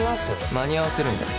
間に合わせるんだよ